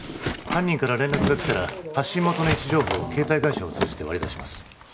犯人から連絡がきたら発信元の位置情報を携帯会社を通じて割り出します